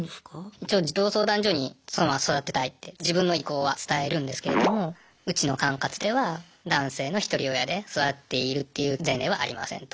一応児童相談所にそのまま育てたいって自分の意向は伝えるんですけれどもうちの管轄では男性のひとり親で育てているっていう前例はありませんと。